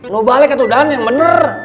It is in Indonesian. nubalik itu dan yang bener